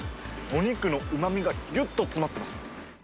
お肉のうまみがぎゅっと詰まってます。